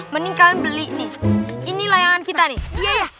mending kalian beli nih ini layangan kita nih